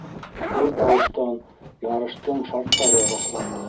Бер тауыштан ярыштың шарттары раҫланды.